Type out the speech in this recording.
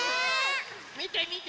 みてみて！